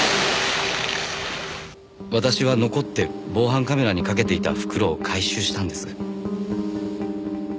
私は残って防犯カメラにかけていた袋を回収したんです。